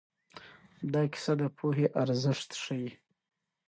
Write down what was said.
دا کیسه د پوهې ارزښت ښيي.